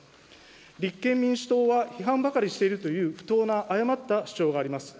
立憲民主党は批判ばかりしているという不当な誤った主張があります。